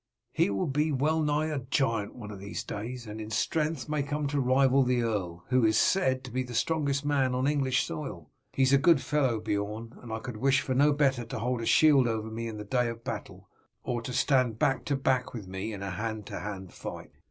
He will be well nigh a giant one of these days, and in strength may come to rival the earl, who is said to be the strongest man on English soil." "He is a good fellow, Beorn, and I could wish for no better to hold a shield over me in the day of battle or to stand back to back with me in a hand to hand fight."